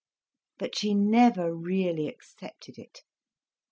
But she never really accepted it.